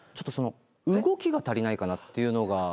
動きが足りないかなっていうのが。